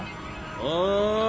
おい。